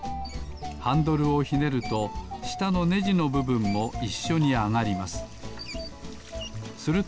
ハンドルをひねるとしたのねじのぶぶんもいっしょにあがります。